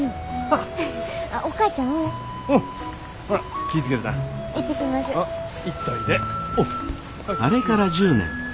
あれから１０年。